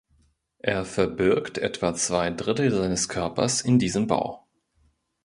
Er verbirgt etwa zwei Drittel seines Körpers in diesem Bau.